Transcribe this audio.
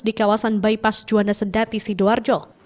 di kawasan bypass juanda sedati sidoarjo